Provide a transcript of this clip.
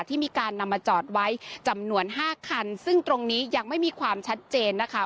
ที่มีการนำมาจอดไว้จำนวนห้าคันซึ่งตรงนี้ยังไม่มีความชัดเจนนะคะ